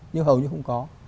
nhưng hầu như không có